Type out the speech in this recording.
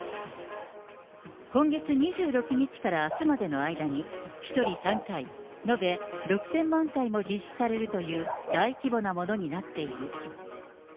今月２６日からあすまでの間に、１人３回、延べ６０００万回も実施されるという大規模なものになっている。